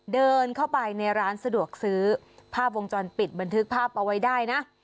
เดินเข้าไปในร้านสะดวกซื้อภาพวงจรปิดบันทึกภาพเอาไว้ได้นะ